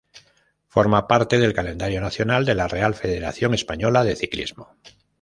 Forma parte del calendario nacional de la Real Federación Española de Ciclismo.